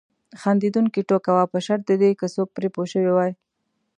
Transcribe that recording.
خندونکې ټوکه وه په شرط د دې که څوک پرې پوه شوي وای.